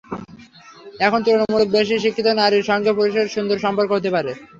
এখন তুলনামূলক বেশি শিক্ষিত নারীর সঙ্গেও পুরুষের সুন্দর সম্পর্ক হতে পারে।